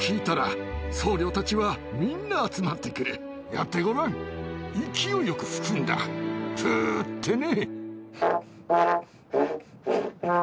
やってごらん勢いよく吹くんだプってね。